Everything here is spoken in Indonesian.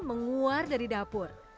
menguar dari dapur